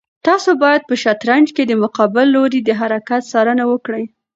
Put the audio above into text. تاسو باید په شطرنج کې د مقابل لوري د هر حرکت څارنه وکړئ.